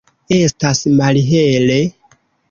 Estas malhele.